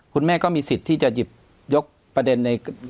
คุณแม่ก็มีสิทธิ์ที่จะยดยกประเด็นใน